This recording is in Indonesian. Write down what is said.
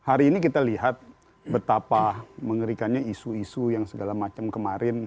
hari ini kita lihat betapa mengerikannya isu isu yang segala macam kemarin